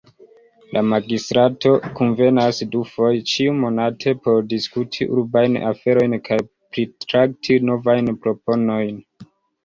La Magistrato kunvenas dufoje ĉiu-monate por diskuti urbajn aferojn kaj pritrakti novajn proponojn.